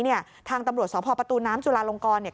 เนี่ยทางตำรวจสพประตูน้ำจุลาลงกรเนี่ย